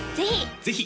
ぜひ！